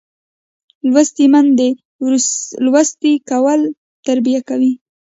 لوستې میندې لوستی کول تربیه کوي